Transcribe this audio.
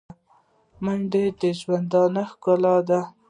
منډه د ژوندانه ښکلا ده